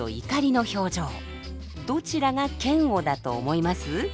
どちらが嫌悪だと思います？